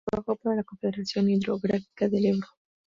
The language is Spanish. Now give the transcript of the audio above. Trabajó para la Confederación Hidrográfica del Ebro.